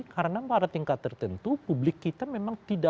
karena pada tingkat tertentu publik kita memang tidak